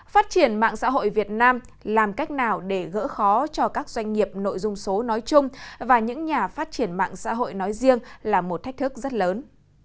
phát triển mạng xã hội việt nam làm cách nào để gỡ khó cho các doanh nghiệp nội dung số nói chung và những nhà phát triển mạng xã hội nói riêng là một thách thức rất lớn